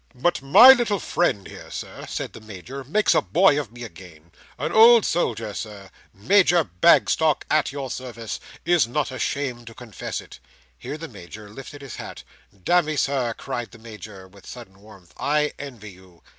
"But my little friend here, Sir," said the Major, "makes a boy of me again: An old soldier, Sir—Major Bagstock, at your service—is not ashamed to confess it." Here the Major lifted his hat. "Damme, Sir," cried the Major with sudden warmth, "I envy you."